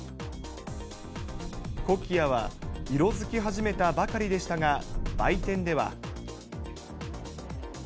コキアは色づき始めたばかりでしたが、売店では。